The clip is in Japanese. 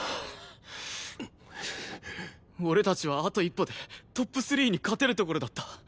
俺たちはあと一歩でＴＯＰ３に勝てるところだった。